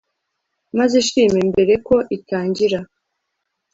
maze ishime mbere ko itangira